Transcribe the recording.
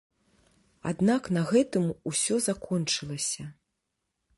Аднак на гэтым усё закончылася.